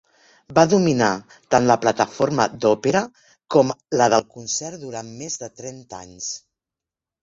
Va dominar tant la plataforma d'òpera com la de concert durant més de trenta anys.